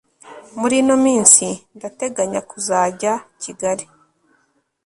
murino minsi ndateganya kuzajya kigali